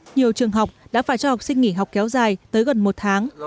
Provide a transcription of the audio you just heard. nhiều trường học đã phải cho học sinh nghỉ học kéo dài tới gần một tháng